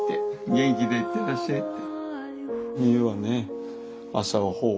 元気でいってらっしゃいって。